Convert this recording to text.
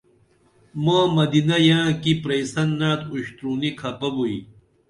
ماں مدینہ ییئں کی پرئسن نعت اُشتُرُونی کھپہ بُئی